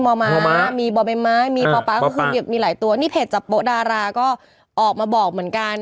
เมื่อกี้มีมีมีมีหลายตัวนี่เพจจับโปะดาราก็ออกมาบอกเหมือนกัน